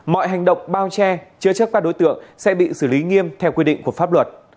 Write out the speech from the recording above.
mọi hành động bao che chứa chấp các đối tượng sẽ bị xử lý nghiêm theo quy định của pháp luật